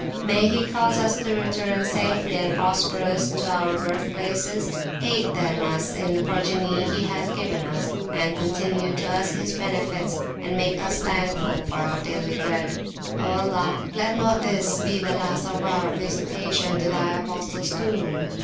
May He cause us to return safe and prosperous to our Birth places; aid then us in the Progeny he hath given us, and continue to us his Benefits, and make us thankful for our daily Bread! O Allah, let not this be the last of our Visitations to Thy Apostle's Tomb!